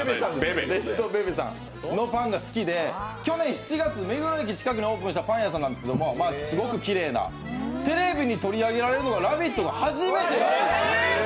去年７月、目黒駅近くにオープンしたパン屋さんなんですけどすごくきれいな、テレビに取り上げられるのは「ラヴィット！」が初めてらしいです